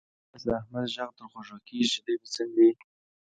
نن مې داسې د احمد غږ تر غوږو کېږي. چې دی به څنګه وي.